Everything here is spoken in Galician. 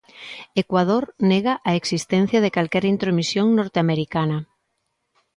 Ecuador nega a existencia de calquera intromisión norteamericana.